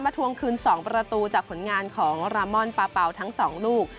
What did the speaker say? ทวงคืน๒ประตูจากผลงานของรามอนปาเป่าทั้ง๒ลูก